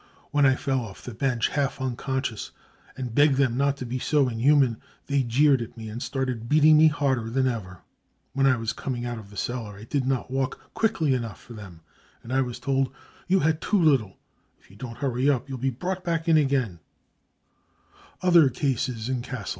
When I fell off the bench half unconscious and begged them not to be so inhuman, they jeered at me and started beating me harder than ever. When I was coming out of the cellar I did not wa£; quickly enough for them, and I was told : 4 You've had too little, if you don't hurry up you'll be brought back ip again.' " BRUTALITY AND TORTURE 221 Other Cases in Cassel.